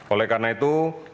oleh karena itu